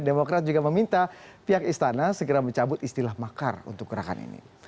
demokrat juga meminta pihak istana segera mencabut istilah makar untuk gerakan ini